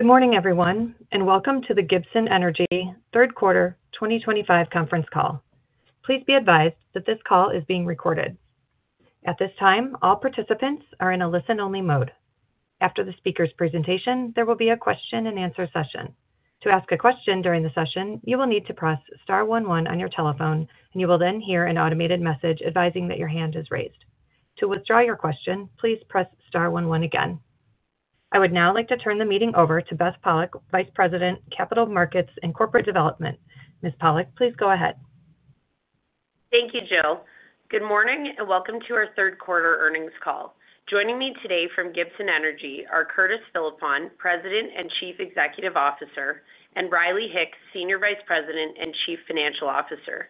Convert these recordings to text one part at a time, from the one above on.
Good morning, everyone, and welcome to the Gibson Energy third quarter 2025 conference call. Please be advised that this call is being recorded. At this time, all participants are in a listen-only mode. After the speaker's presentation, there will be a question-and-answer session. To ask a question during the session, you will need to press star ione one on your telephone, and you will then hear an automated message advising that your hand is raised. To withdraw your question, please press star one one again. I would now like to turn the meeting over to Beth Pollock, Vice President, Capital Markets and Corporate Development. Ms. Pollock, please go ahead. Thank you, Jill. Good morning and welcome to our third quarter earnings call. Joining me today from Gibson Energy are Curtis Philippon, President and Chief Executive Officer, and Riley Hicks, Senior Vice President and Chief Financial Officer.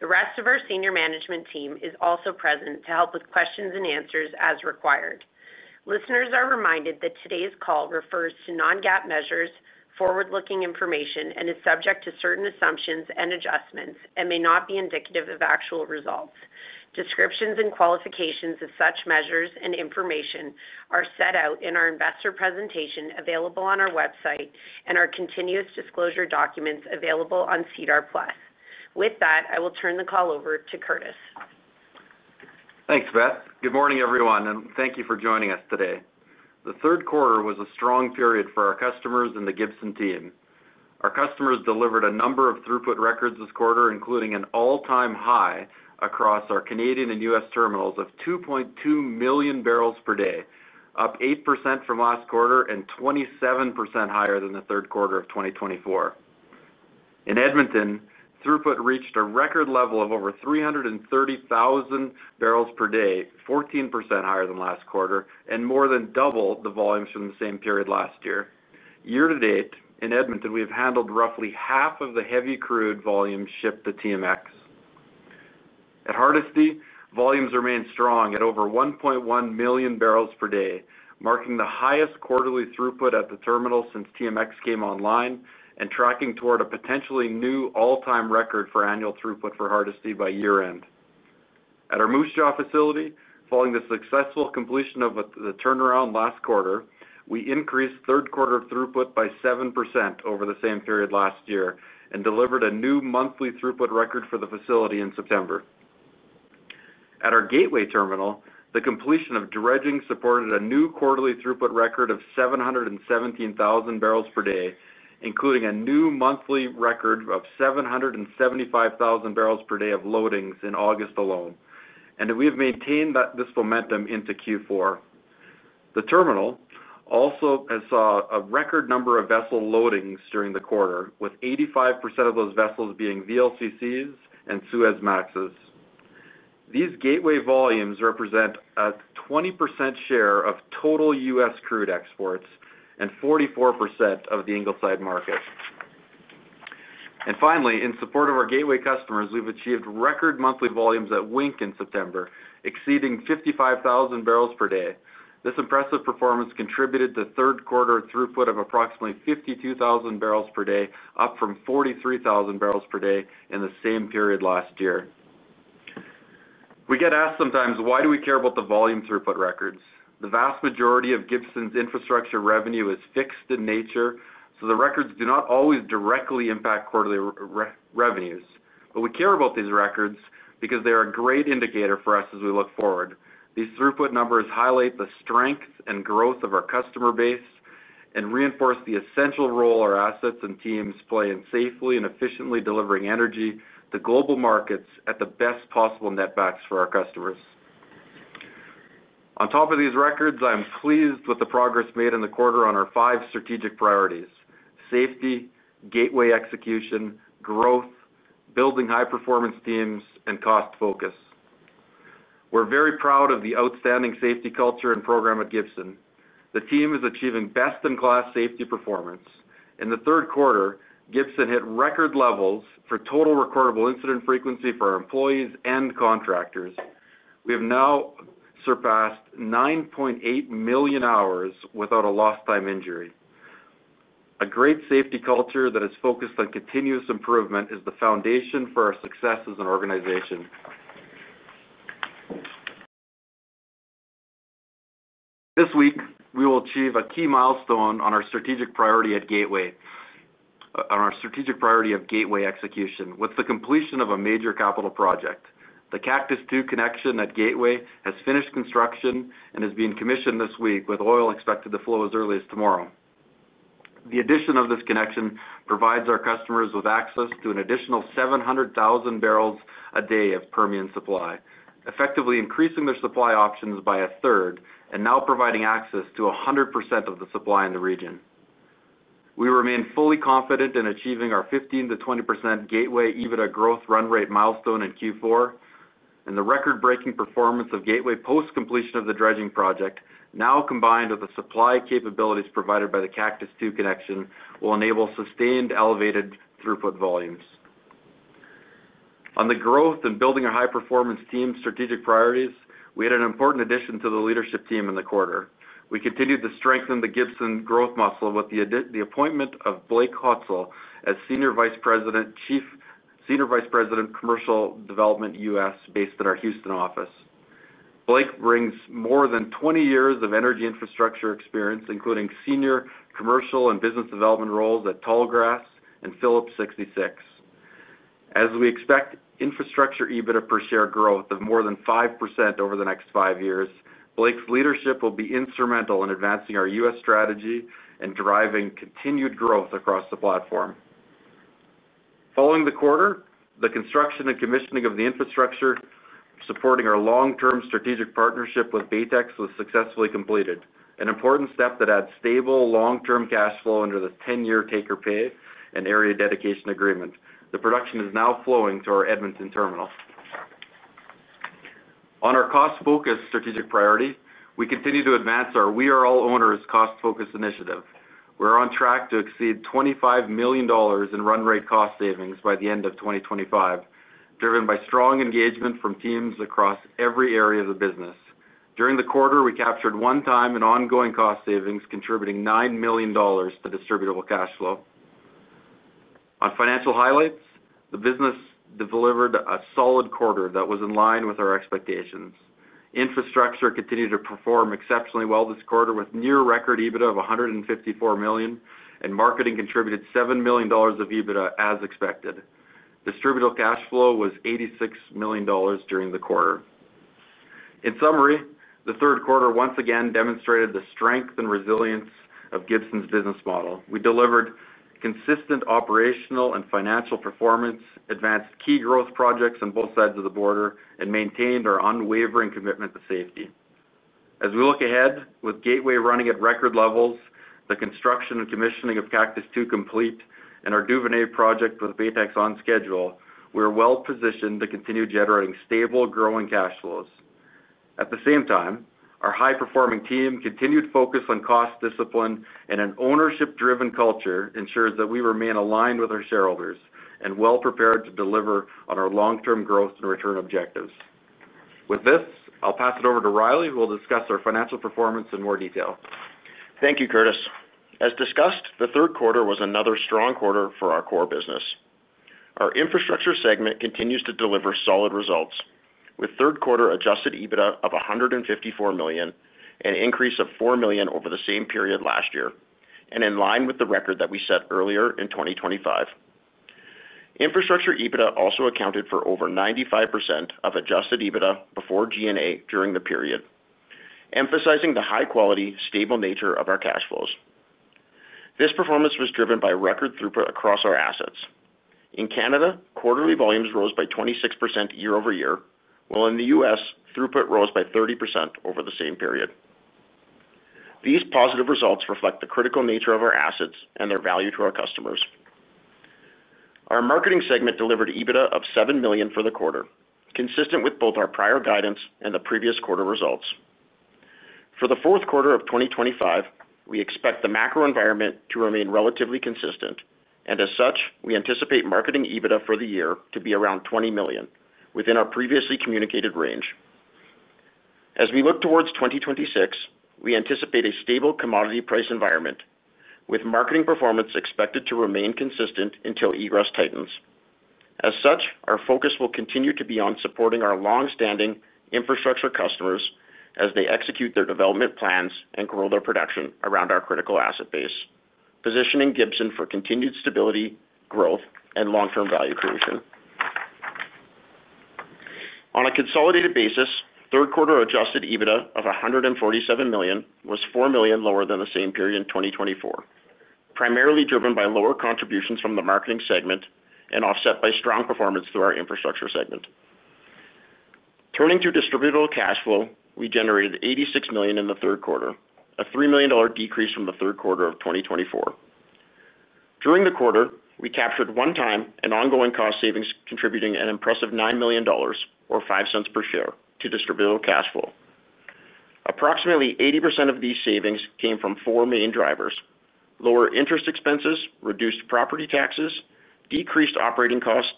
The rest of our senior management team is also present to help with questions and answers as required. Listeners are reminded that today's call refers to non-GAAP measures, forward-looking information, and is subject to certain assumptions and adjustments, and may not be indicative of actual results. Descriptions and qualifications of such measures and information are set out in our investor presentation available on our website and our continuous disclosure documents available on SEDAR+. With that, I will turn the call over to Curtis. Thanks, Beth. Good morning, everyone, and thank you for joining us today. The third quarter was a strong period for our customers and the Gibson team. Our customers delivered a number of throughput records this quarter, including an all-time high across our Canadian and U.S. terminals of 2.2 MMbpd, up 8% from last quarter and 27% higher than the third quarter of 2024. In Edmonton, throughput reached a record level of over 330,000 Mbpd, 14% higher than last quarter, and more than doubled the volumes from the same period last year. Year to date, in Edmonton, we have handled roughly half of the heavy crude volume shipped to TMX. At Hardisty, volumes remain strong at over 1.1 MMbpd, marking the highest quarterly throughput at the terminal since TMX came online and tracking toward a potentially new all-time record for annual throughput for Hardisty by year-end. At our Moose Jaw facility, following the successful completion of the turnaround last quarter, we increased third quarter throughput by 7% over the same period last year and delivered a new monthly throughput record for the facility in September. At our Gateway terminal, the completion of dredging supported a new quarterly throughput record of 717,000 Mbpd, including a new monthly record of 775,000 Mbpd of loadings in August alone, and we have maintained this momentum into Q4. The terminal also saw a record number of vessel loadings during the quarter, with 85% of those vessels being VLCCs and Suezmaxes. These Gateway volumes represent a 20% share of total U.S. crude exports and 44% of the Ingleside market. And finally, in support of our Gateway customers, we've achieved record monthly volumes at Wink in September, exceeding 55,000 Mbpd. This impressive performance contributed to third quarter throughput of approximately 52,000 Mbpd, up from 43,000 Mbpd in the same period last year. We get asked sometimes, "Why do we care about the volume throughput records?" The vast majority of Gibson's infrastructure revenue is fixed in nature, so the records do not always directly impact quarterly revenues. But we care about these records because they are a great indicator for us as we look forward. These throughput numbers highlight the strength and growth of our customer base and reinforce the essential role our assets and teams play in safely and efficiently delivering energy to global markets at the best possible netbacks for our customers. On top of these records, I'm pleased with the progress made in the quarter on our five strategic priorities: safety, Gateway execution, growth, building high-performance teams, and cost focus. We're very proud of the outstanding safety culture and program at Gibson. The team is achieving best-in-class safety performance. In the third quarter, Gibson hit record levels for total recordable incident frequency for our employees and contractors. We have now surpassed 9.8 million hours without a lost-time injury. A great safety culture that is focused on continuous improvement is the foundation for our success as an organization. This week, we will achieve a key milestone on our strategic priority at Gateway. On our strategic priority of Gateway execution with the completion of a major capital project. The Cactus II connection at Gateway has finished construction and is being commissioned this week, with oil expected to flow as early as tomorrow. The addition of this connection provides our customers with access to an additional 700,000 Mbpd of Permian supply, effectively increasing their supply options by a third and now providing access to 100% of the supply in the region. We remain fully confident in achieving our 15%-20% Gateway EBITDA growth run rate milestone in Q4, and the record-breaking performance of Gateway post-completion of the dredging project, now combined with the supply capabilities provided by the Cactus II connection, will enable sustained elevated throughput volumes. On the growth and building a high-performance team strategic priorities, we had an important addition to the leadership team in the quarter. We continued to strengthen the Gibson growth muscle with the appointment of Blake Hutsell as Senior Vice President, Commercial Development U.S., based at our Houston office. Blake brings more than 20 years of energy infrastructure experience, including senior commercial and business development roles at Tallgrass Energy and Phillips 66. As we expect infrastructure EBITDA per share growth of more than 5% over the next five years, Blake's leadership will be instrumental in advancing our US strategy and driving continued growth across the platform. Following the quarter, the construction and commissioning of the infrastructure supporting our long-term strategic partnership with Baytex Energy was successfully completed, an important step that adds stable long-term cash flow under the 10-year take-or-pay and area dedication agreement. The production is now flowing to our Edmonton terminal. On our cost-focused strategic priority, we continue to advance our We Are All Owners cost-focused initiative. We're on track to exceed $25 million in run rate cost savings by the end of 2025, driven by strong engagement from teams across every area of the business. During the quarter, we captured one-time and ongoing cost savings, contributing $9 million to distributable cash flow. On financial highlights, the business delivered a solid quarter that was in line with our expectations. Infrastructure continued to perform exceptionally well this quarter, with near-record EBITDA of $154 million, and marketing contributed $7 million of EBITDA as expected. Distributable cash flow was $86 million during the quarter. In summary, the third quarter once again demonstrated the strength and resilience of Gibson's business model. We delivered consistent operational and financial performance, advanced key growth projects on both sides of the border, and maintained our unwavering commitment to safety. As we look ahead, with Gateway running at record levels, the construction and commissioning of Cactus II complete, and our Duvernay project with Baytex Energy on schedule, we are well-positioned to continue generating stable, growing cash flows. At the same time, our high-performing team, continued focus on cost discipline, and an ownership-driven culture ensures that we remain aligned with our shareholders and well-prepared to deliver on our long-term growth and return objectives. With this, I'll pass it over to Riley, who will discuss our financial performance in more detail. Thank you, Curtis. As discussed, the third quarter was another strong quarter for our core business. Our infrastructure segment continues to deliver solid results, with third quarter Adjusted EBITDA of $154 million and an increase of $4 million over the same period last year, and in line with the record that we set earlier in 2025. Infrastructure EBITDA also accounted for over 95% of Adjusted EBITDA before G&A during the period, emphasizing the high-quality, stable nature of our cash flows. This performance was driven by record throughput across our assets. In Canada, quarterly volumes rose by 26% year-over-year, while in the U.S., throughput rose by 30% over the same period. These positive results reflect the critical nature of our assets and their value to our customers. Our marketing segment delivered EBITDA of $7 million for the quarter, consistent with both our prior guidance and the previous quarter results. For the fourth quarter of 2025, we expect the macro environment to remain relatively consistent, and as such, we anticipate marketing EBITDA for the year to be around $20 million, within our previously communicated range. As we look towards 2026, we anticipate a stable commodity price environment, with marketing performance expected to remain consistent until egress tightens. As such, our focus will continue to be on supporting our long-standing infrastructure customers as they execute their development plans and grow their production around our critical asset base, positioning Gibson for continued stability, growth, and long-term value creation. On a consolidated basis, third quarter Adjusted EBITDA of $147 million was $4 million lower than the same period in 2024, primarily driven by lower contributions from the marketing segment and offset by strong performance through our infrastructure segment. Turning to distributable cash flow, we generated $86 million in the third quarter, a $3 million decrease from the third quarter of 2024. During the quarter, we captured one-time and ongoing cost savings, contributing an impressive $9 million, or five cents per share, to distributable cash flow. Approximately 80% of these savings came from four main drivers: lower interest expenses, reduced property taxes, decreased operating costs,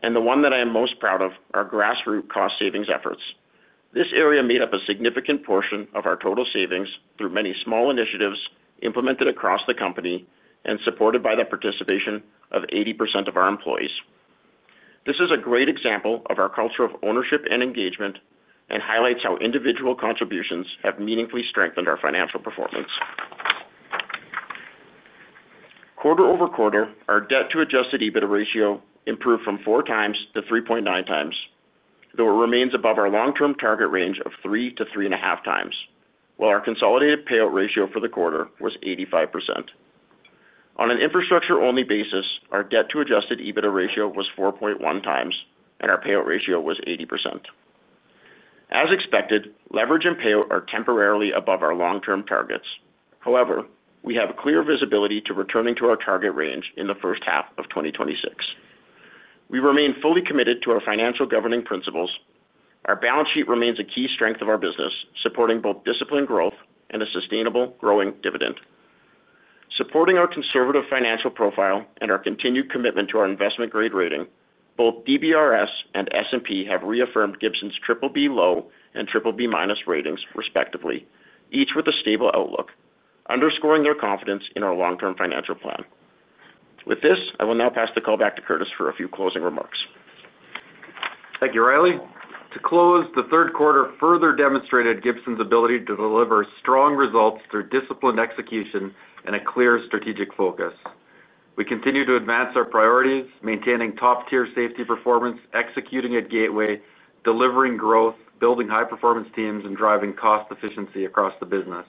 and the one that I am most proud of are grassroots cost savings efforts. This area made up a significant portion of our total savings through many small initiatives implemented across the company and supported by the participation of 80% of our employees. This is a great example of our culture of ownership and engagement and highlights how individual contributions have meaningfully strengthened our financial performance. Quarter-over-quarter, our debt-to-Adjusted EBITDA ratio improved from 4x-3.9x, though it remains above our long-term target range of three to 3.5x, while our consolidated payout ratio for the quarter was 85%. On an infrastructure-only basis, our Debt-to-Adjusted EBITDA ratio was 4.1x, and our payout ratio was 80%. As expected, leverage and payout are temporarily above our long-term targets. However, we have clear visibility to returning to our target range in the first half of 2026. We remain fully committed to our financial governing principles. Our balance sheet remains a key strength of our business, supporting both disciplined growth and a sustainable growing dividend. Supporting our conservative financial profile and our continued commitment to our investment-grade rating, both DBRS Morningstar and S&P Global have reaffirmed Gibson's BBB low and BBB minus ratings, respectively, each with a stable outlook, underscoring their confidence in our long-term financial plan. With this, I will now pass the call back to Curtis for a few closing remarks. Thank you, Riley. To close, the third quarter further demonstrated Gibson's ability to deliver strong results through disciplined execution and a clear strategic focus. We continue to advance our priorities, maintaining top-tier safety performance, executing at Gateway, delivering growth, building high-performance teams, and driving cost efficiency across the business.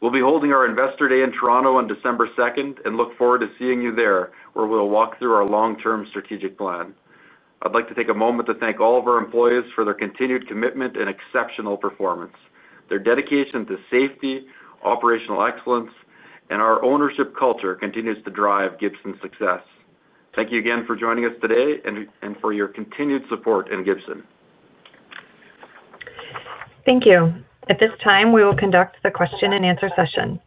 We'll be holding our Investor Day in Toronto on December 2nd and look forward to seeing you there, where we'll walk through our long-term strategic plan. I'd like to take a moment to thank all of our employees for their continued commitment and exceptional performance. Their dedication to safety, operational excellence, and our ownership culture continues to drive Gibson's success. Thank you again for joining us today and for your continued support in Gibson. Thank you. At this time, we will conduct the question-and-answer session.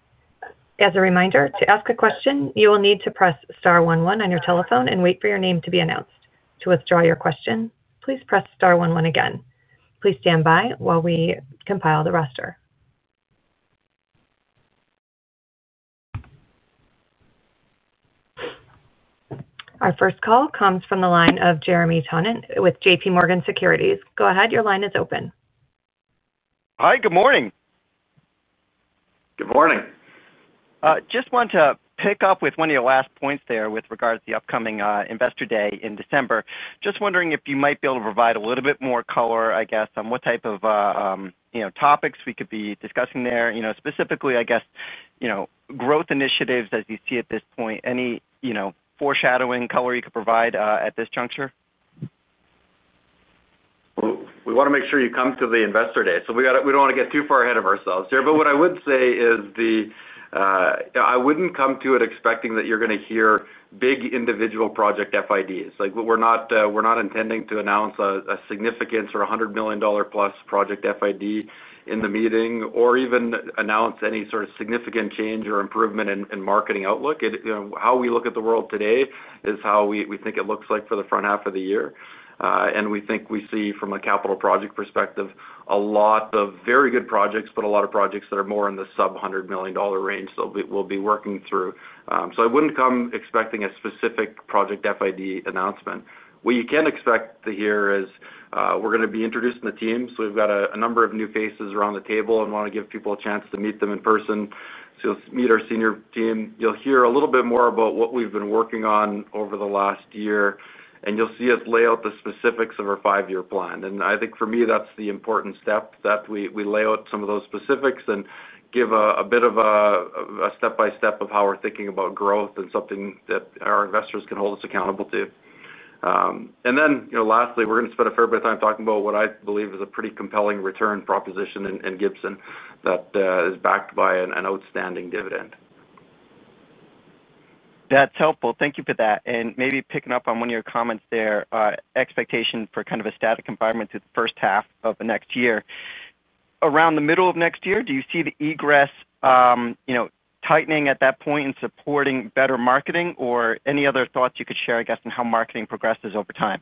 As a reminder, to ask a question, you will need to press star one one on your telephone and wait for your name to be announced. To withdraw your question, please press star one one again. Please stand by while we compile the roster. Our first call comes from the line of Jeremy Tonet with JPMorgan Securities. Go ahead. Your line is open. Hi. Good morning. Good morning. Just want to pick up with one of your last points there with regard to the upcoming Investor Day in December. Just wondering if you might be able to provide a little bit more color, I guess, on what type of topics we could be discussing there, specifically, I guess, growth initiatives as you see at this point. Any foreshadowing color you could provide at this juncture? Well, we want to make sure you come to the Investor Day, so we don't want to get too far ahead of ourselves here, but what I would say is, I wouldn't come to it expecting that you're going to hear big individual project FIDs. We're not intending to announce a significant or $100+ million project FID in the meeting or even announce any sort of significant change or improvement in marketing outlook. How we look at the world today is how we think it looks like for the front half of the year, and we think we see, from a capital project perspective, a lot of very good projects, but a lot of projects that are more in the sub-$100 million range that we'll be working through, so I wouldn't come expecting a specific project FID announcement. What you can expect to hear is we're going to be introducing the team, so we've got a number of new faces around the table and want to give people a chance to meet them in person, so you'll meet our senior team. You'll hear a little bit more about what we've been working on over the last year, and you'll see us lay out the specifics of our five-year plan, and I think, for me, that's the important step, that we lay out some of those specifics and give a bit of a step-by-step of how we're thinking about growth and something that our investors can hold us accountable to, and then lastly, we're going to spend a fair bit of time talking about what I believe is a pretty compelling return proposition in Gibson that is backed by an outstanding dividend. That's helpful. Thank you for that. And maybe picking up on one of your comments there, expectation for kind of a static environment through the first half of the next year. Around the middle of next year, do you see the egress tightening at that point and supporting better marketing or any other thoughts you could share, I guess, on how marketing progresses over time?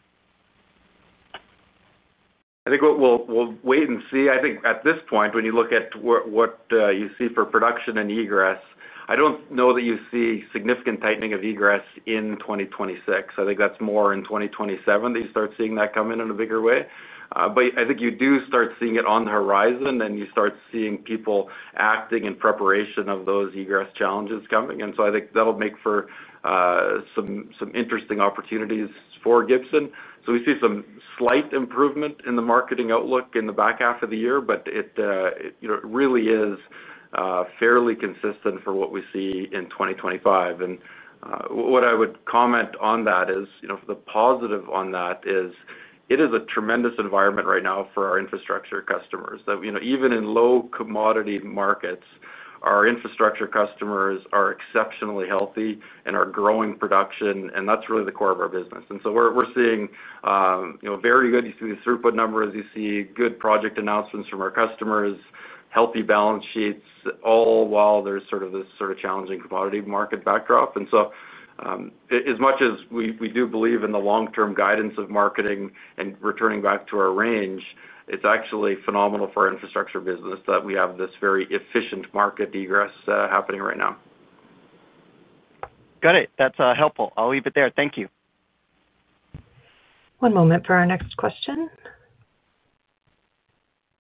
I think we'll wait and see. I think at this point, when you look at what you see for production and egress, I don't know that you see significant tightening of egress in 2026. I think that's more in 2027 that you start seeing that come in in a bigger way, but I think you do start seeing it on the horizon, and you start seeing people acting in preparation of those egress challenges coming, and so I think that'll make for some interesting opportunities for Gibson. So we see some slight improvement in the marketing outlook in the back half of the year, but it really is fairly consistent for what we see in 2025, and what I would comment on that is the positive on that is it is a tremendous environment right now for our infrastructure customers. Even in low commodity markets, our infrastructure customers are exceptionally healthy and are growing production, and that's really the core of our business, and so we're seeing very good, you see the throughput numbers, you see good project announcements from our customers, healthy balance sheets, all while there's sort of this challenging commodity market backdrop, and so, as much as we do believe in the long-term guidance of marketing and returning back to our range, it's actually phenomenal for our infrastructure business that we have this very efficient market egress happening right now. Got it. That's helpful. I'll leave it there. Thank you. One moment for our next question.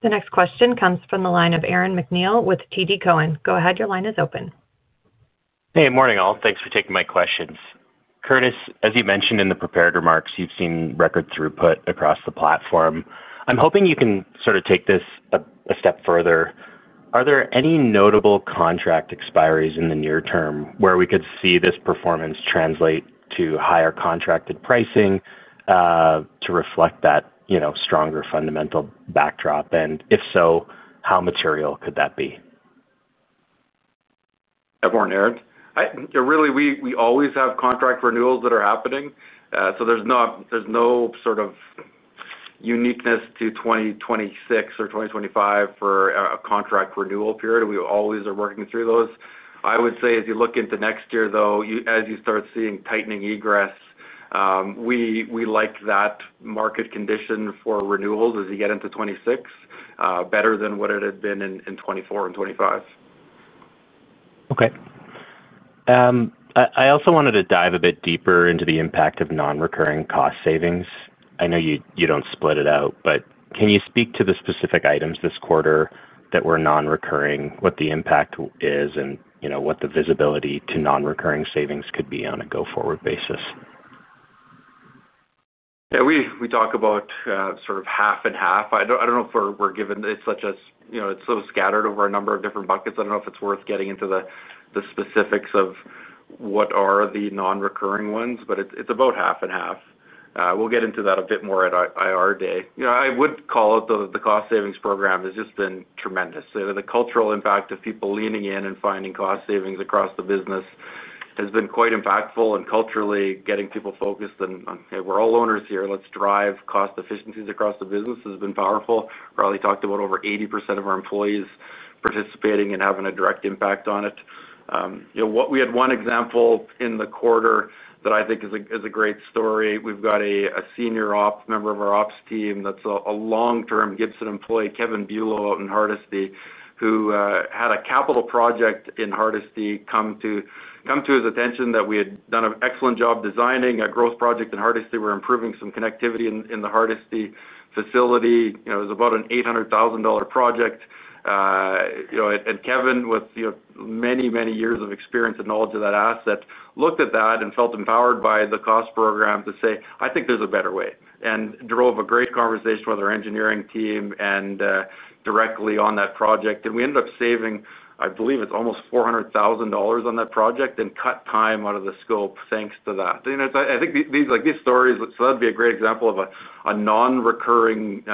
The next question comes from the line of Aaron MacNeil with TD Cowen. Go ahead. Your line is open. Hey. Morning, all. Thanks for taking my questions. Curtis, as you mentioned in the prepared remarks, you've seen record throughput across the platform. I'm hoping you can sort of take this a step further. Are there any notable contract expiries in the near term where we could see this performance translate to higher contracted pricing, to reflect that stronger fundamental backdrop? And if so, how material could that be? Before Aaron, really, we always have contract renewals that are happening. So there's no sort of uniqueness to 2026 or 2025 for a contract renewal period. We always are working through those. I would say, as you look into next year, though, as you start seeing tightening egress. We like that market condition for renewals as you get into 2026, better than what it had been in 2024 and 2025. Okay. I also wanted to dive a bit deeper into the impact of non-recurring cost savings. I know you don't split it out, but can you speak to the specific items this quarter that were non-recurring, what the impact is, and what the visibility to non-recurring savings could be on a go-forward basis? Yeah. We talk about sort of 50/50. I don't know if we're given it's such as it's so scattered over a number of different buckets. I don't know if it's worth getting into the specifics of what are the non-recurring ones, but it's about 50/50. We'll get into that a bit more at our day. I would call it, though, that the cost savings program has just been tremendous. The cultural impact of people leaning in and finding cost savings across the business has been quite impactful. And culturally, getting people focused on, "Hey, we're all owners here. Let's drive cost efficiencies across the business," has been powerful. We've probably talked about over 80% of our employees participating and having a direct impact on it. We had one example in the quarter that I think is a great story. We've got a senior member of our ops team that's a long-term Gibson employee, Kevin Bulo out in Hardisty, who had a capital project in Hardisty come to his attention that we had done an excellent job designing a growth project in Hardisty. We're improving some connectivity in the Hardisty facility. It was about an $800,000 project. And Kevin, with many, many years of experience and knowledge of that asset, looked at that and felt empowered by the cost program to say, "I think there's a better way," and drove a great conversation with our engineering team and directly on that project. And we ended up saving, I believe it's almost $400,000 on that project and cut time out of the scope thanks to that. I think these stories, so that'd be a great example of a non-recurring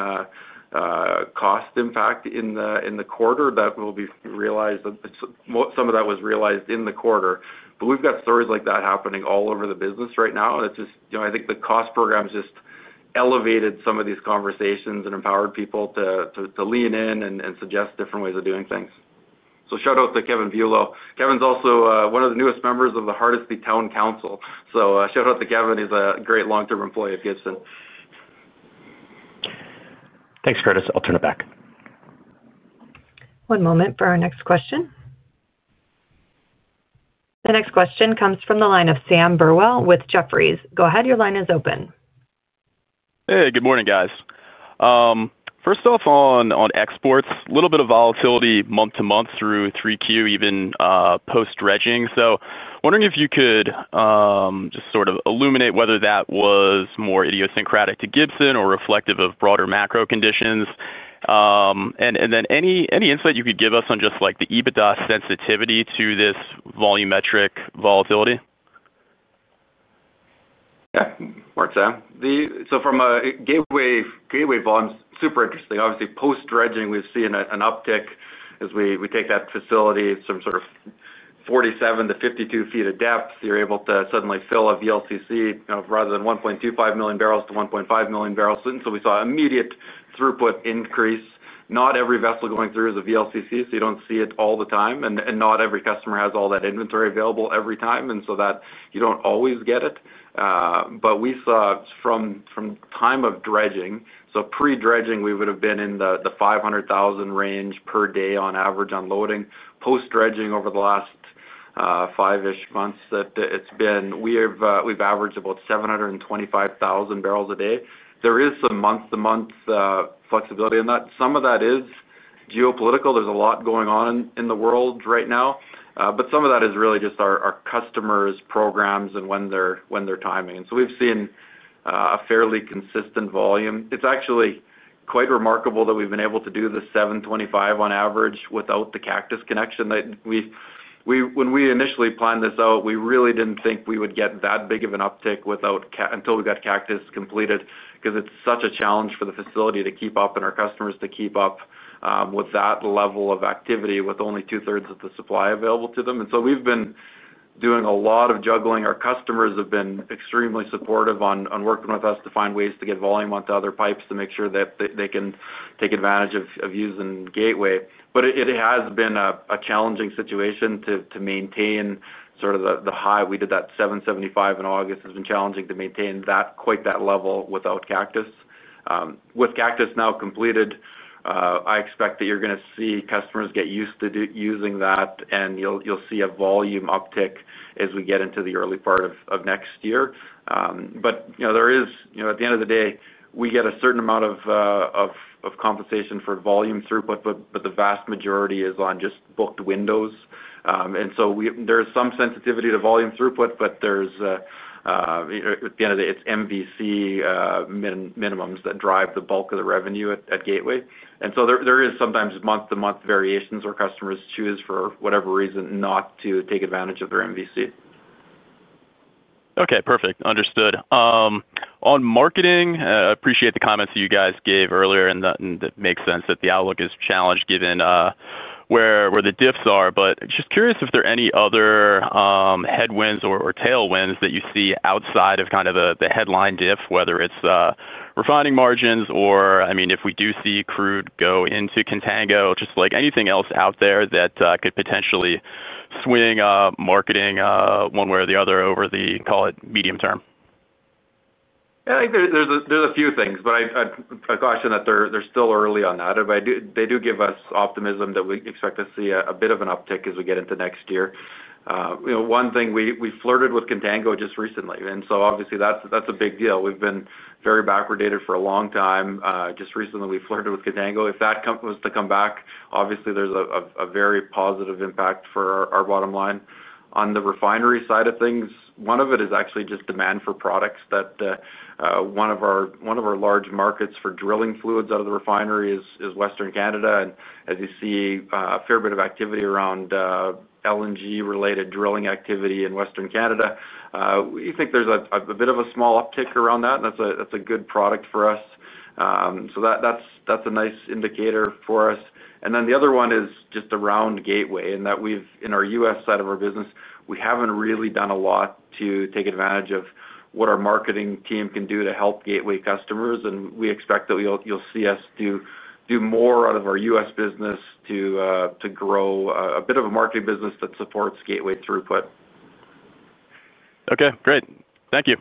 cost impact in the quarter that will be realized. Some of that was realized in the quarter. But we've got stories like that happening all over the business right now. And I think the cost program has just elevated some of these conversations and empowered people to lean in and suggest different ways of doing things. So shout out to Kevin Bulo. Kevin's also one of the newest members of the Hardisty Town Council. So shout out to Kevin. He's a great long-term employee of Gibson. Thanks, Curtis. I'll turn it back. One moment for our next question. The next question comes from the line of Sam Burwell with Jefferies. Go ahead. Your line is open. Hey. Good morning, guys. First off, on exports, a little bit of volatility month to month through 3Q, even post-dredging. So wondering if you could just sort of illuminate whether that was more idiosyncratic to Gibson or reflective of broader macro conditions. And then any insight you could give us on just the EBITDA sensitivity to this volumetric volatility. Yeah. Mark Sam. So from a Gateway volumes, super interesting. Obviously, post-dredging, we've seen an uptick as we take that facility, some sort of 47-52 ft of depth. You're able to suddenly fill a VLCC rather than 1.25-1.5 MMbbl. And so we saw immediate throughput increase. Not every vessel going through is a VLCC, so you don't see it all the time. And not every customer has all that inventory available every time, and so you don't always get it. But we saw from time of dredging, so pre-dredging, we would have been in the 500,000 range per day on average unloading. Post-dredging, over the last five-ish months, we've averaged about 725,000 Mbpd. There is some month-to-month flexibility in that. Some of that is geopolitical. There's a lot going on in the world right now. But some of that is really just our customers' programs and when they're timing. And so we've seen a fairly consistent volume. It's actually quite remarkable that we've been able to do the 725 on average without the Cactus II connection. When we initially planned this out, we really didn't think we would get that big of an uptick until we got Cactus II completed because it's such a challenge for the facility to keep up and our customers to keep up with that level of activity with only two-thirds of the supply available to them. And so we've been doing a lot of juggling. Our customers have been extremely supportive on working with us to find ways to get volume onto other pipes to make sure that they can take advantage of using Gateway. But it has been a challenging situation to maintain sort of the high. We did that 775 in August. It's been challenging to maintain quite that level without Cactus II. With Cactus II now completed. I expect that you're going to see customers get used to using that, and you'll see a volume uptick as we get into the early part of next year. But there is, at the end of the day, we get a certain amount of compensation for volume throughput, but the vast majority is on just booked windows. And so there is some sensitivity to volume throughput, but at the end of the day, it's MVC minimums that drive the bulk of the revenue at Gateway. And so there is sometimes month-to-month variations where customers choose, for whatever reason, not to take advantage of their MVC. Okay. Perfect. Understood. On marketing, I appreciate the comments you guys gave earlier, and it makes sense that the outlook is challenged given where the diffs are. But just curious if there are any other headwinds or tailwinds that you see outside of kind of the headline diff, whether it's refining margins or, I mean, if we do see crude go into contango, just like anything else out there that could potentially swing marketing one way or the other over the, call it, medium term? Yeah. I think there's a few things, but I caution that they're still early on that. They do give us optimism that we expect to see a bit of an uptick as we get into next year. One thing, we flirted with contango just recently. And so obviously, that's a big deal. We've been very backwardated for a long time. Just recently, we flirted with contango. If that was to come back, obviously, there's a very positive impact for our bottom line. On the refinery side of things, one of it is actually just demand for products that. One of our large markets for drilling fluids out of the refinery is Western Canada. And as you see a fair bit of activity around. LNG-related drilling activity in Western Canada, we think there's a bit of a small uptick around that, and that's a good product for us. So that's a nice indicator for us. And then the other one is just around Gateway in that in our US side of our business, we haven't really done a lot to take advantage of what our marketing team can do to help Gateway customers. And we expect that you'll see us do more out of our US business to. Grow a bit of a marketing business that supports Gateway throughput. Okay. Great. Thank you.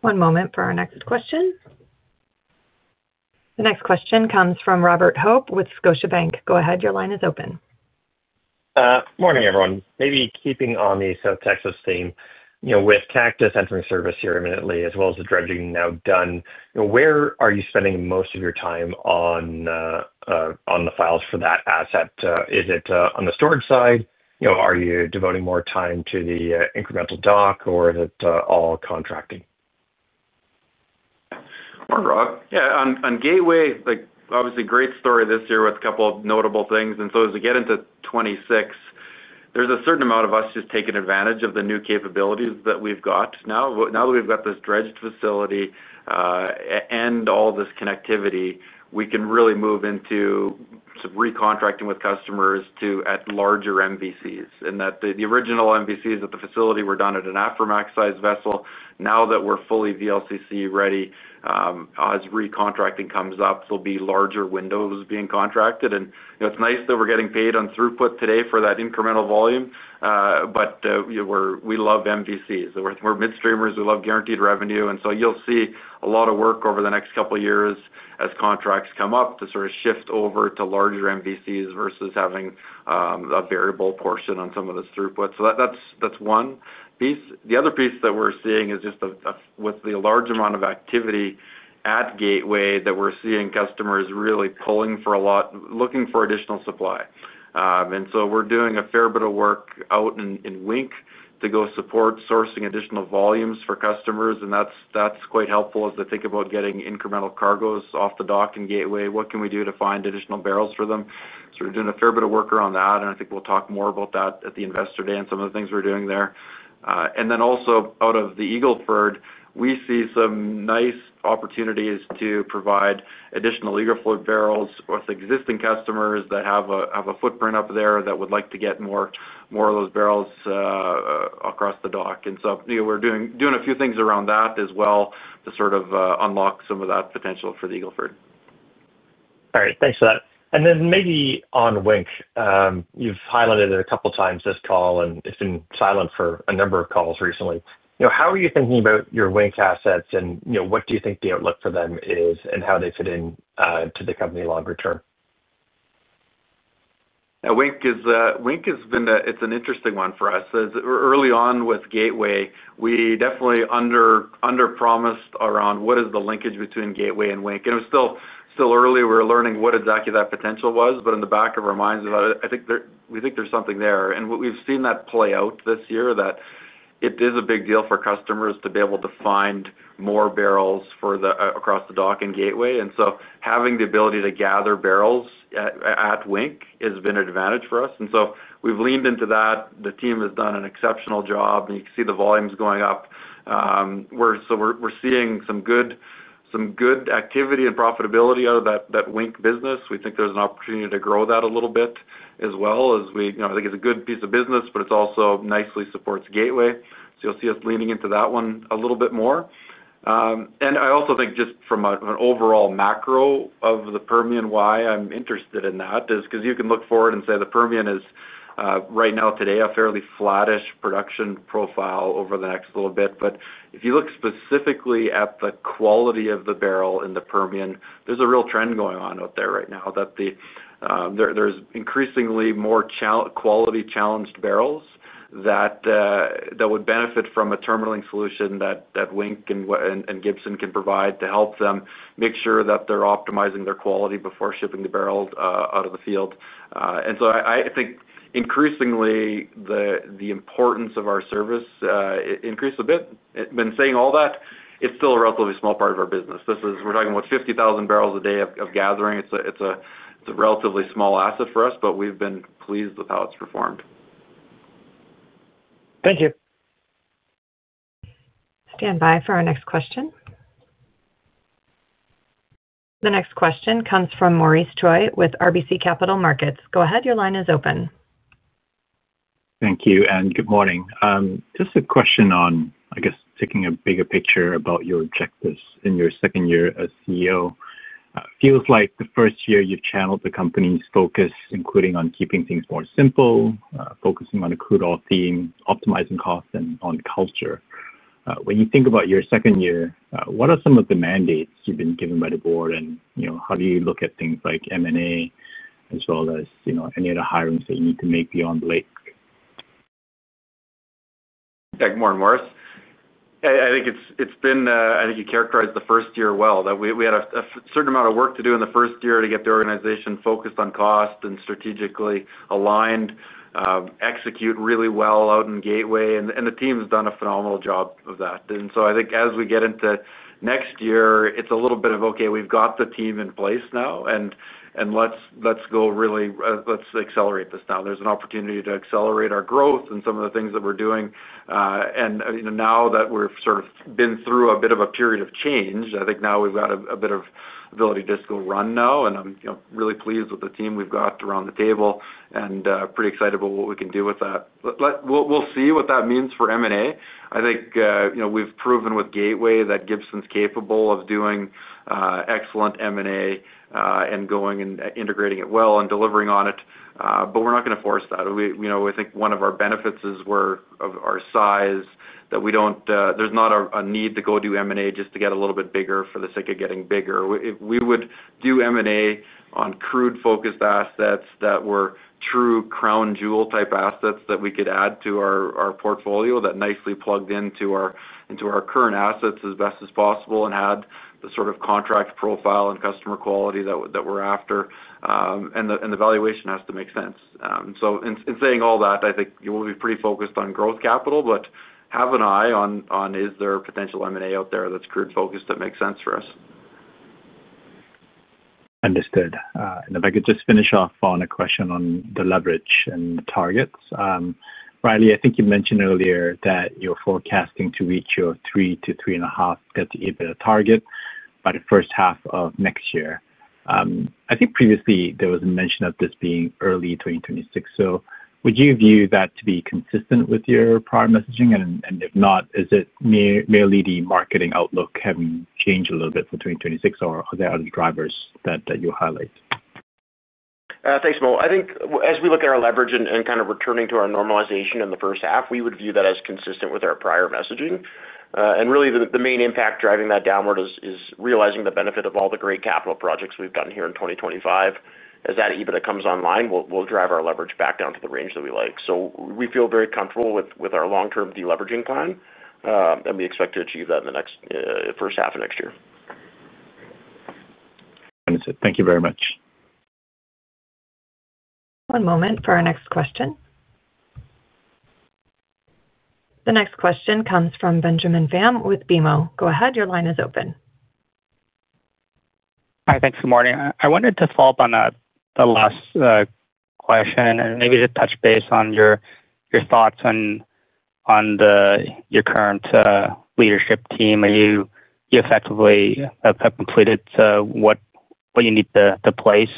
One moment for our next question. The next question comes from Robert Hope with Scotiabank. Go ahead. Your line is open. Morning, everyone. Maybe keeping on the South Texas theme, with Cactus entering service here imminently, as well as the dredging now done, where are you spending most of your time on the files for that asset? Is it on the storage side? Are you devoting more time to the incremental dock, or is it all contracting? Morning, Rob. Yeah. On Gateway, obviously, great story this year with a couple of notable things, and so as we get into 2026, there's a certain amount of us just taking advantage of the new capabilities that we've got now. Now that we've got this dredged facility and all this connectivity, we can really move into sort of recontracting with customers to larger MVCs. And the original MVCs at the facility were done at an Aframax-sized vessel. Now that we're fully VLCC ready, as recontracting comes up, there'll be larger windows being contracted. And it's nice that we're getting paid on throughput today for that incremental volume, but we love MVCs. We're midstreamers. We love guaranteed revenue. And so you'll see a lot of work over the next couple of years as contracts come up to sort of shift over to larger MVCs versus having a variable portion on some of this throughput. So that's one piece. The other piece that we're seeing is just with the large amount of activity at Gateway that we're seeing customers really pulling for a lot, looking for additional supply. And so we're doing a fair bit of work out in Wink to go support sourcing additional volumes for customers. And that's quite helpful as they think about getting incremental cargoes off the dock at Gateway. What can we do to find additional barrels for them? So we're doing a fair bit of work around that. And I think we'll talk more about that at the investor day and some of the things we're doing there. And then also, out of the Eagle Ford, we see some nice opportunities to provide additional Eagle Ford barrels with existing customers that have a footprint up there that would like to get more of those barrels across the dock. And so we're doing a few things around that as well to sort of unlock some of that potential for the Eagle Ford. All right. Thanks for that. And then maybe on Wink, you've highlighted it a couple of times this call and it's been silent for a number of calls recently. How are you thinking about your Wink assets and what do you think the outlook for them is and how they fit into the company longer term? Wink has been an interesting one for us. Early on with Gateway, we definitely under-promised around what is the linkage between Gateway and Wink. And it was still early. We were learning what exactly that potential was. But in the back of our minds, I think there's something there. And we've seen that play out this year, that it is a big deal for customers to be able to find more barrels across the dock and Gateway. And so having the ability to gather barrels at Wink has been an advantage for us. And so we've leaned into that. The team has done an exceptional job. You can see the volumes going up. So we're seeing some good activity and profitability out of that Wink business. We think there's an opportunity to grow that a little bit as well. I think it's a good piece of business, but it also nicely supports Gateway. So you'll see us leaning into that one a little bit more. And I also think just from an overall macro of the Permian why I'm interested in that is because you can look forward and say the Permian is right now today a fairly flattish production profile over the next little bit. But if you look specifically at the quality of the barrel in the Permian, there's a real trend going on out there right now that there's increasingly more quality-challenged barrels that would benefit from a terminaling solution that Wink and Gibson can provide to help them make sure that they're optimizing their quality before shipping the barrel out of the field. And so I think increasingly the importance of our service increased a bit. And saying all that, it's still a relatively small part of our business. We're talking about 50,000 Mbpd of gathering. It's a relatively small asset for us, but we've been pleased with how it's performed. Thank you. Stand by for our next question. The next question comes from Maurice Choy with RBC Capital Markets. Go ahead. Your line is open. Thank you. Good morning. Just a question on, I guess, taking a bigger picture about your objectives in your second year as CEO. It feels like the first year you've channeled the company's focus, including on keeping things more simple, focusing on a crude oil theme, optimizing costs, and on culture. When you think about your second year, what are some of the mandates you've been given by the board, and how do you look at things like M&A as well as any other hirings that you need to make beyond Blake? Thank you more, Maurice. I think it's been, I think you characterized the first year well. We had a certain amount of work to do in the first year to get the organization focused on cost and strategically aligned. Execute really well out in Gateway, and the team's done a phenomenal job of that. And so I think as we get into next year, it's a little bit of, "Okay, we've got the team in place now, and let's go really, let's accelerate this now." There's an opportunity to accelerate our growth and some of the things that we're doing. And now that we've sort of been through a bit of a period of change, I think now we've got a bit of ability to just go run now. And I'm really pleased with the team we've got around the table and pretty excited about what we can do with that. We'll see what that means for M&A. I think we've proven with Gateway that Gibson's capable of doing excellent M&A and going and integrating it well and delivering on it, but we're not going to force that. I think one of our benefits is our size that there's not a need to go do M&A just to get a little bit bigger for the sake of getting bigger. We would do M&A on crude-focused assets that were true crown jewel type assets that we could add to our portfolio that nicely plugged into our current assets as best as possible and had the sort of contract profile and customer quality that we're after. And the valuation has to make sense, so in saying all that, I think we'll be pretty focused on growth capital, but have an eye on is there a potential M&A out there that's crude-focused that makes sense for us. Understood. And if I could just finish off on a question on the leverage and the targets. Riley, I think you mentioned earlier that you're forecasting to reach your 3-3.5 debt-to-EBITDA target by the first half of next year. I think previously there was a mention of this being early 2026. So would you view that to be consistent with your prior messaging? And if not, is it merely the market outlook having changed a little bit for 2026, or are there other drivers that you'll highlight? Thanks. I think as we look at our leverage and kind of returning to our normalization in the first half, we would view that as consistent with our prior messaging. And really, the main impact driving that downward is realizing the benefit of all the great capital projects we've done here in 2025. As that EBITDA comes online, we'll drive our leverage back down to the range that we like. So we feel very comfortable with our long-term deleveraging plan, and we expect to achieve that in the first half of next year. Understood. Thank you very much. One moment for our next question. The next question comes from Benjamin Pham with BMO. Go ahead. Your line is open. Hi. Thanks for the morning. I wanted to follow up on the last question and maybe just touch base on your thoughts on your current leadership team. Are you effectively have completed what you need to place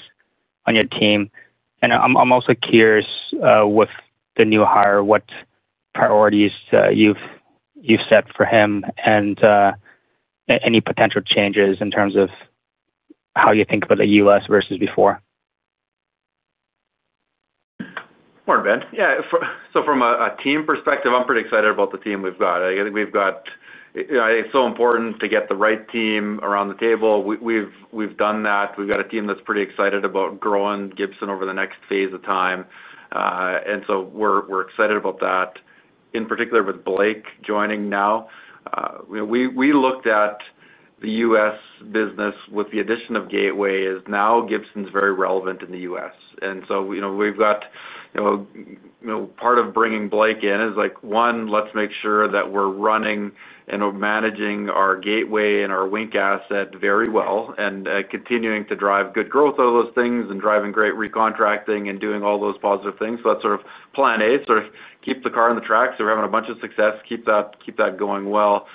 on your team? And I'm also curious with the new hire, what priorities you've set for him and any potential changes in terms of how you think about the U.S. versus before? More, Ben. Yeah. So from a team perspective, I'm pretty excited about the team we've got. I think we've got. It's so important to get the right team around the table. We've done that. We've got a team that's pretty excited about growing Gibson over the next phase of time, and so we're excited about that. In particular, with Blake joining now. We looked at the U.S. business with the addition of Gateway as now Gibson's very relevant in the U.S., and so we've got. Part of bringing Blake in is, one, let's make sure that we're running and managing our Gateway and our Wink asset very well and continuing to drive good growth out of those things and driving great recontracting and doing all those positive things. So that's sort of plan A, sort of keep the car on the track. So we're having a bunch of success. Keep that going well.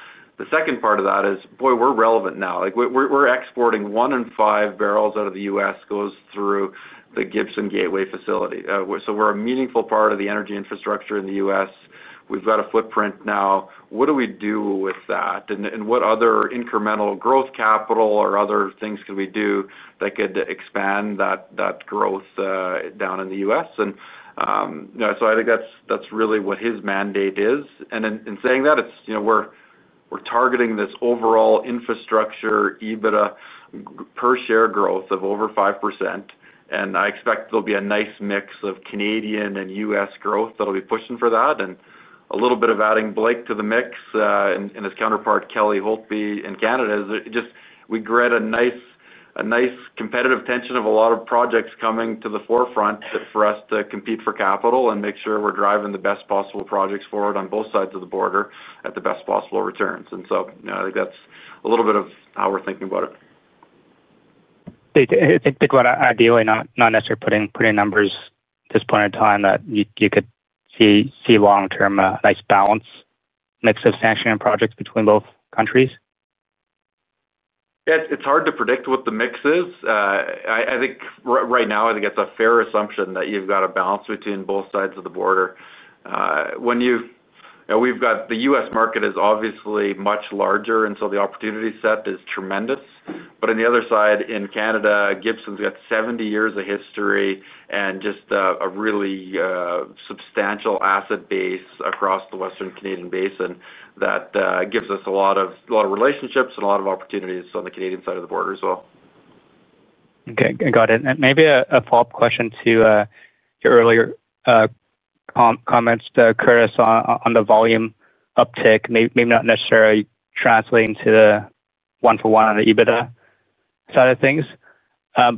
The second part of that is, boy, we're relevant now. We're exporting one in five barrels out of the U.S. goes through the Gibson Gateway facility. So we're a meaningful part of the energy infrastructure in the U.S. We've got a footprint now. What do we do with that, and what other incremental growth capital or other things can we do that could expand that growth down in the U.S.? And so I think that's really what his mandate is, and in saying that, we're targeting this overall infrastructure EBITDA per share growth of over 5%. And I expect there'll be a nice mix of Canadian and U.S. growth that'll be pushing for that, and a little bit of adding Blake to the mix and his counterpart, Kelly Holtby in Canada, is just we create a nice competitive tension of a lot of projects coming to the forefront for us to compete for capital and make sure we're driving the best possible projects forward on both sides of the border at the best possible returns, and so I think that's a little bit of how we're thinking about it. I think people are, ideally, not necessarily putting numbers at this point in time that you could see long-term a nice balanced mix of sanctioned projects between both countries. It's hard to predict what the mix is. I think right now, I think it's a fair assumption that you've got a balance between both sides of the border. We've got the U.S. market is obviously much larger, and so the opportunity set is tremendous. But on the other side, in Canada, Gibson's got 70 years of history and just a really substantial asset base across the Western Canadian Basin that gives us a lot of relationships and a lot of opportunities on the Canadian side of the border as well. Okay. Got it. And maybe a follow-up question to your earlier comments to Curtis on the volume uptake, maybe not necessarily translating to the one-for-one on the EBITDA side of things. I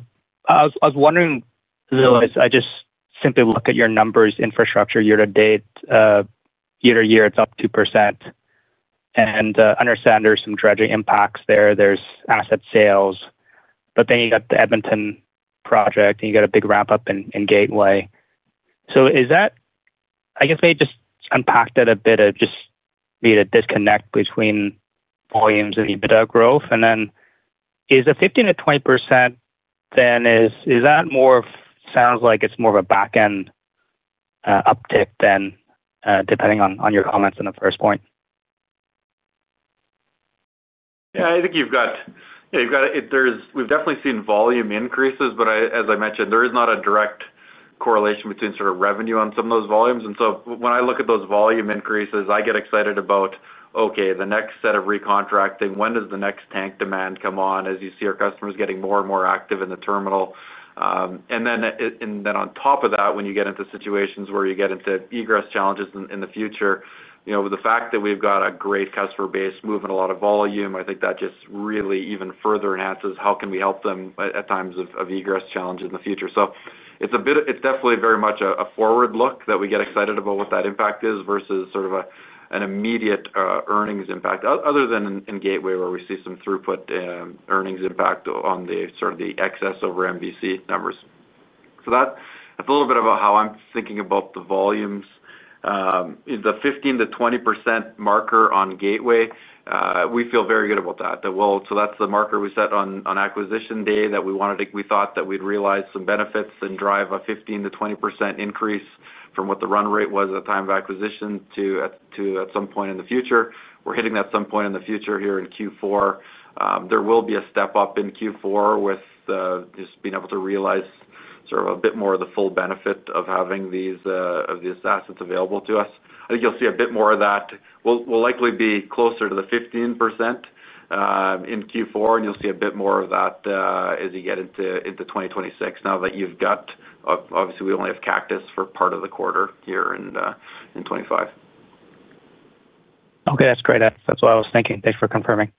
was wondering, I just simply look at your numbers, infrastructure year to date. Year to year, it's up 2%. And I understand there's some dredging impacts there. There's asset sales. But then you got the Edmonton project, and you got a big ramp-up in Gateway. So. I guess maybe just unpack that a bit of just maybe the disconnect between volumes and EBITDA growth. And then is the 15%-20%. Then is that more of sounds like it's more of a back-end uptake than depending on your comments on the first point? Yeah. I think you've got—we've definitely seen volume increases, but as I mentioned, there is not a direct correlation between sort of revenue on some of those volumes. And so when I look at those volume increases, I get excited about, okay, the next set of recontracting, when does the next tank demand come on as you see our customers getting more and more active in the terminal? And then on top of that, when you get into situations where you get into egress challenges in the future. The fact that we've got a great customer base moving a lot of volume, I think that just really even further enhances how can we help them at times of egress challenges in the future. So it's definitely very much a forward look that we get excited about what that impact is versus sort of an immediate earnings impact, other than in Gateway where we see some throughput earnings impact on sort of the excess over MVC numbers. So that's a little bit about how I'm thinking about the volumes. The 15%-20% marker on Gateway, we feel very good about that. So that's the marker we set on acquisition day that we thought that we'd realize some benefits and drive a 15%-20% increase from what the run rate was at the time of acquisition to at some point in the future. We're hitting that some point in the future here in Q4. There will be a step up in Q4 with just being able to realize sort of a bit more of the full benefit of having these assets available to us. I think you'll see a bit more of that. We'll likely be closer to the 15% in Q4, and you'll see a bit more of that as you get into 2026 now that you've got—obviously, we only have Cactus for part of the quarter here in 2025. Okay. That's great. That's what I was thinking. Thanks for confirming.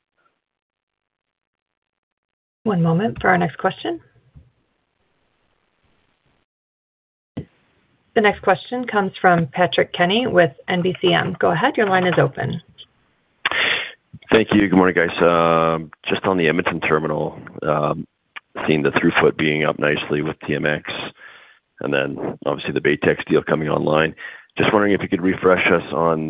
One moment for our next question. The next question comes from Patrick Kenny with National Bank Financial. Go ahead. Your line is open. Thank you. Good morning, guys. Just on the Edmonton terminal. Seeing the throughput being up nicely with TMX and then obviously the Baytex Energy deal coming online. Just wondering if you could refresh us on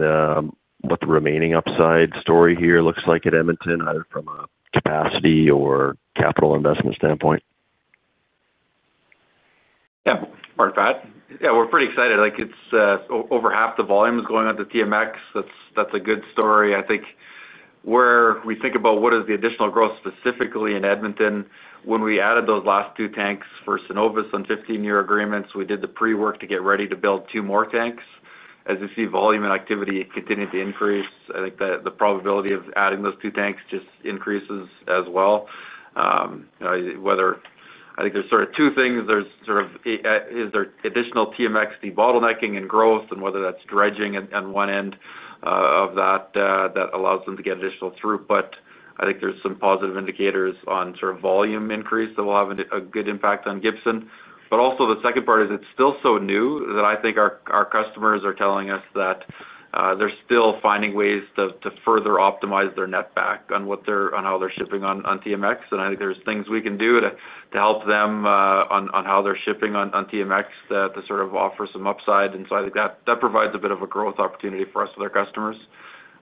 what the remaining upside story here looks like at Edmonton, either from a capacity or capital investment standpoint. Yeah. Part of that. Yeah. We're pretty excited. Over half the volume is going on to TMX. That's a good story, I think. We think about what is the additional growth specifically in Edmonton. When we added those last two tanks for Cenovus on 15-year agreements, we did the pre-work to get ready to build two more tanks. As you see volume and activity continue to increase, I think the probability of adding those two tanks just increases as well. I think there's sort of two things. Is there additional TMX debottlenecking and growth, and whether that's dredging on one end of that that allows them to get additional throughput. I think there's some positive indicators on sort of volume increase that will have a good impact on Gibson. But also the second part is it's still so new that I think our customers are telling us that. They're still finding ways to further optimize their net back on how they're shipping on TMX. And I think there's things we can do to help them on how they're shipping on TMX to sort of offer some upside. And so I think that provides a bit of a growth opportunity for us with our customers.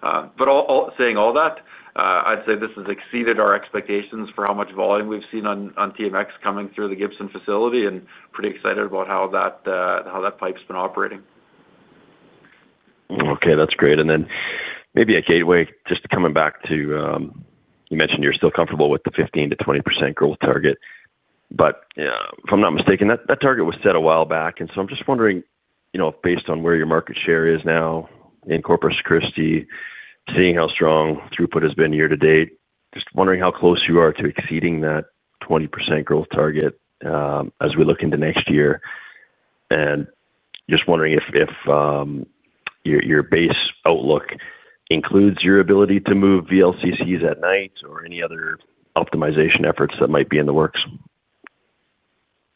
But saying all that, I'd say this has exceeded our expectations for how much volume we've seen on TMX coming through the Gibson facility and pretty excited about how that pipe's been operating. Okay. That's great. And then maybe at Gateway, just coming back to. You mentioned you're still comfortable with the 15%-20% growth target. But if I'm not mistaken, that target was set a while back. And so I'm just wondering if based on where your market share is now in Corpus Christi, seeing how strong throughput has been year to date, just wondering how close you are to exceeding that 20% growth target as we look into next year. And just wondering if your base outlook includes your ability to move VLCCs at night or any other optimization efforts that might be in the works.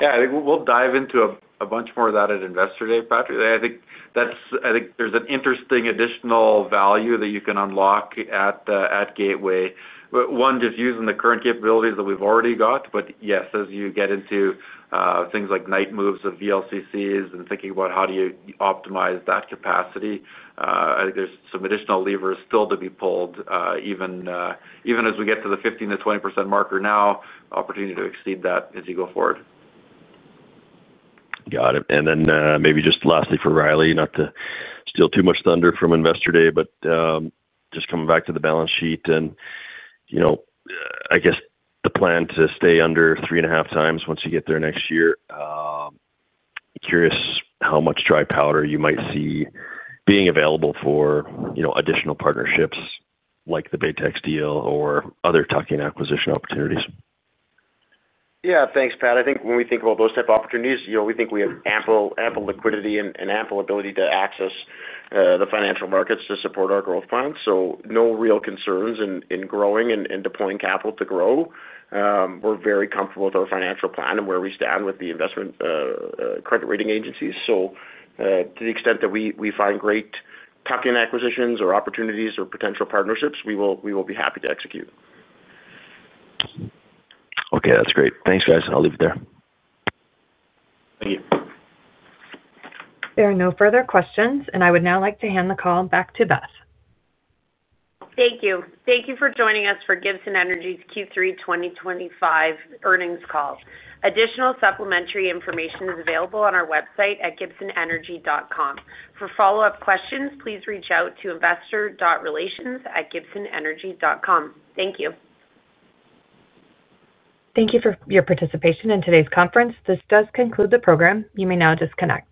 Yeah. I think we'll dive into a bunch more of that at investor day, Patrick. I think there's an interesting additional value that you can unlock at Gateway, one, just using the current capabilities that we've already got. But yes, as you get into things like night moves of VLCCs and thinking about how do you optimize that capacity, I think there's some additional levers still to be pulled. Even as we get to the 15%-20% marker now, opportunity to exceed that as you go forward. Got it. And then maybe just lastly for Riley, not to steal too much thunder from investor day, but just coming back to the balance sheet and I guess the plan to stay under 3.5x once you get there next year. Curious how much dry powder you might see being available for additional partnerships like the Baytex Energy deal or other tuck-in acquisition opportunities. Yeah. Thanks, Pat. I think when we think about those type of opportunities, we think we have ample liquidity and ample ability to access the financial markets to support our growth plans. So no real concerns in growing and deploying capital to grow. We're very comfortable with our financial plan and where we stand with the investment-grade credit rating agencies. So to the extent that we find great tuck-in acquisitions or opportunities or potential partnerships, we will be happy to execute. Okay. That's great. Thanks, guys. I'll leave it there. Thank you. There are no further questions, and I would now like to hand the call back to Beth. Thank you. Thank you for joining us for Gibson Energy's Q3 2025 earnings call. Additional supplementary information is available on our website at gibsonenergy.com. For follow-up questions, please reach out to investor.relations@gibsonenergy.com. Thank you. Thank you for your participation in today's conference. This does conclude the program. You may now disconnect.